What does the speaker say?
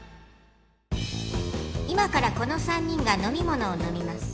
今からこの３人が飲みものを飲みます。